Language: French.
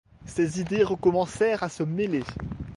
Ses idées recommencèrent à se mêler.